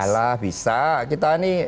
lah bisa kita ini